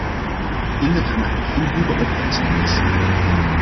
Ik denk dat er maar één goede oplossing is.